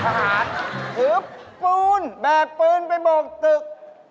สหาทือปืนแบกภูมิบวกตึก